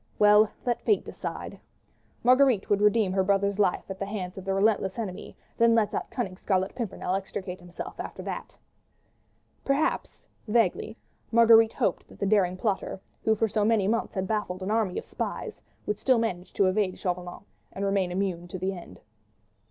. well! there, let Fate decide. Marguerite would redeem her brother's life at the hands of the relentless enemy, then let that cunning Scarlet Pimpernel extricate himself after that. Perhaps—vaguely—Marguerite hoped that the daring plotter, who for so many months had baffled an army of spies, would still manage to evade Chauvelin and remain immune to the end.